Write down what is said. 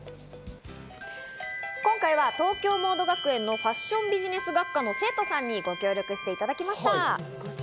今回は東京モード学園のファッションビジネス学科の生徒さんにご協力していただきました。